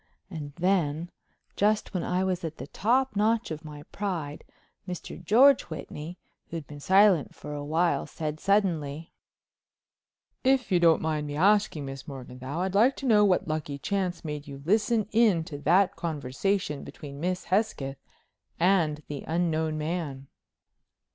And then—just when I was at the top notch of my pride—Mr. George Whitney, who'd been silent for a while, said suddenly: "If you don't mind me asking, Miss Morganthau, I'd like to know what lucky chance made you listen in to that conversation between Miss Hesketh and the Unknown Man."